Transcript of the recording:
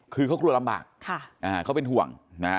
คือเขากลัวลำบากเขาเป็นห่วง